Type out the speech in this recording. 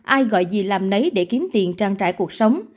ai gọi gì làm nấy để kiếm tiền trang trải cuộc sống